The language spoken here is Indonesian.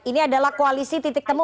ini adalah koalisi titik temu